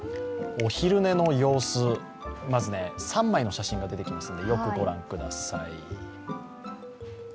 お昼寝の様子、まず、３枚の写真が出てきますんでよく御覧ください。